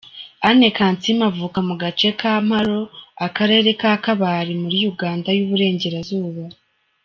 Anne Kansiime avuka mu gace ka Mparo, Akarere ka Kabale, muri Uganda y’Uburengerazuba.